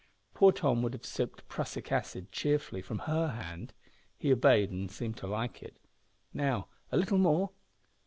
Poor Tom would have sipped prussic acid cheerfully from her hand! He obeyed, and seemed to like it. "Now, a little more."